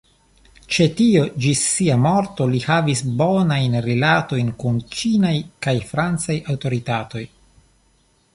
Ĉe tio ĝis sia morto li havis bonajn rilatojn kun ĉinaj kaj francaj aŭtoritatoj.